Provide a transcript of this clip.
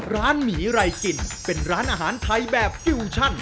หมีไรกินเป็นร้านอาหารไทยแบบฟิวชั่น